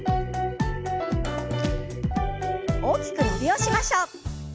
大きく伸びをしましょう。